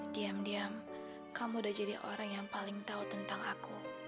diam diam kamu udah jadi orang yang paling tahu tentang aku